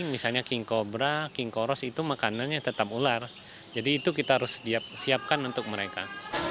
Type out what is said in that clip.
misalnya king cobra king coros itu makanannya tetap ular jadi itu kita harus siapkan untuk mereka